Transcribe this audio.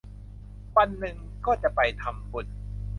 วันหนึ่งก็จะไปทำบุญ